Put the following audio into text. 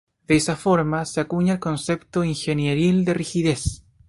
De esa forma se acuña el concepto ingenieril de rigidez.